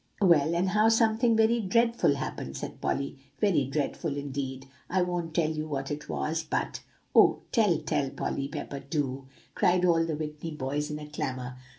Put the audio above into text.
"Well, and now something very dreadful happened," said Polly; "very dreadful indeed. I won't tell you what it was, but" "Oh, tell, tell, Polly Pepper, do!" cried all the Whitney boys in a clamor.